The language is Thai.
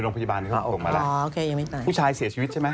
ดิว่าผมวิ่งออกไปฮะแต่ธรรมดานไปเซ่นเงียมไปได้